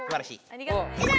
ありがとね。